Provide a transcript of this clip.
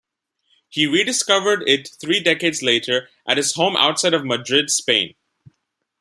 He rediscovered it three decades later at his home outside of Madrid, Spain.